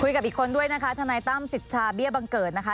กับอีกคนด้วยนะคะทนายตั้มสิทธาเบี้ยบังเกิดนะคะ